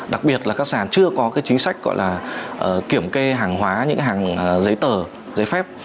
đặc biệt là các sản chưa có cái chính sách gọi là kiểm kê hàng hóa những hàng giấy tờ giấy phép